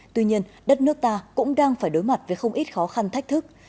tuy nhiên đất nước ta cũng đang phải đối mặt với không ít khó khăn thách thức